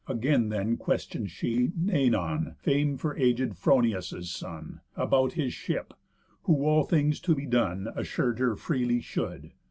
Again then question'd she Noënon, fam'd for aged Phronius' son, About his ship; who all things to be done Assur'd her freely should.